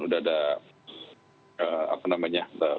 sudah ada apa namanya